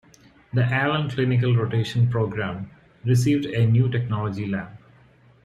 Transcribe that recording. The Allen Clinical Rotation Program received a new technology lab.